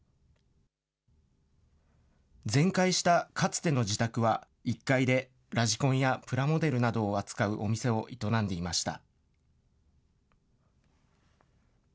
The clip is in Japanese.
全壊したかつての自宅は、１階でラジコンやプラモデルなどを扱うお店を営んでいました。